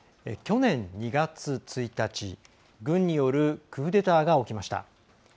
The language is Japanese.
去年２月１日軍によるクーデターが起きました。